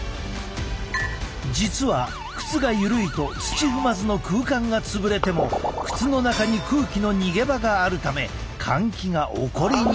実は靴がゆるいと土踏まずの空間が潰れても靴の中に空気の逃げ場があるため換気が起こりにくい。